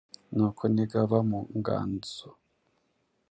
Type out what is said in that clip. Nuko nigaba mu nganzoo